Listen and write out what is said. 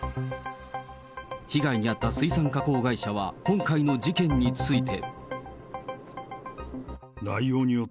被害に遭った水産加工会社は、今回の事件について。